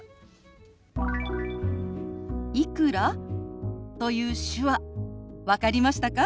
「いくら？」という手話分かりましたか？